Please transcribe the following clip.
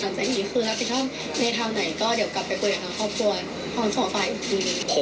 ถามใจนี้คือรับผิดชอบในทางไหนก็เดี๋ยวกลับไปคุยกับครอบครัว